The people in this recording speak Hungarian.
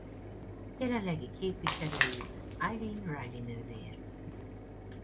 Jelenlegi képviselőjük Eileen Reilly nővér.